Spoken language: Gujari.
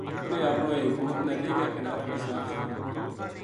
اس نے اپنو ایک پوت ندی کے کنارے بِسال چھوڈیو